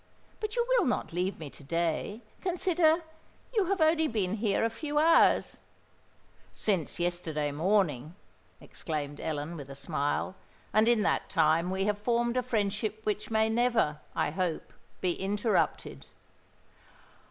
"But you will not leave me to day? Consider—you have only been here a few hours——" "Since yesterday morning," exclaimed Ellen, with a smile; "and in that time we have formed a friendship which may never, I hope, be interrupted."